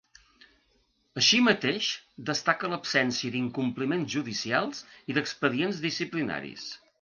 Així mateix, destaca l’absència d’incompliments judicials i d’expedients disciplinaris.